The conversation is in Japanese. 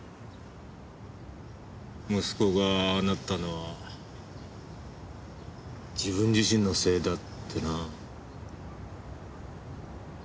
息子がああなったのは自分自身のせいだってな。